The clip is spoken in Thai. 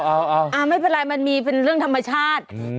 เอาไม่เป็นไรมันมีเป็นเรื่องธรรมชาติ